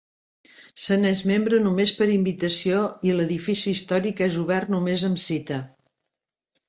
Se n'és membre només per invitació i l'edifici històric és obert només amb cita.